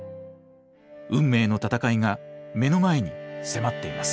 運命の戦いが目の前に迫っています。